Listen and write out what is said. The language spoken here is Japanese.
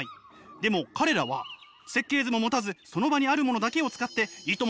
でも彼らは設計図も持たずその場にあるものだけを使っていとも